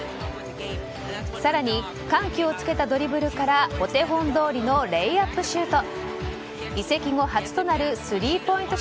さらに、緩急をつけたドリブルからお手本どおりのレイアップシュート。